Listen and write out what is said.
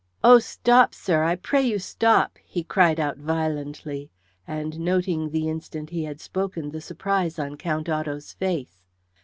"Oh, stop, sir. I pray you stop!" he cried out violently, and noting the instant he had spoken the surprise on Count Otto's face.